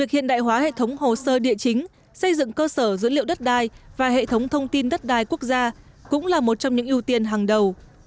hệ thống thông tin đất đai cũng là một trong những ưu tiên hàng đầu